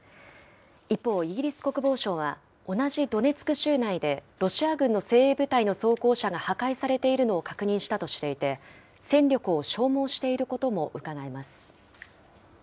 一方、イギリス国防省は、同じドネツク州内でロシア軍の精鋭部隊の装甲車が破壊されているのを確認したとしていて、戦力を消耗していることもうかがえます。